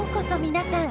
皆さん。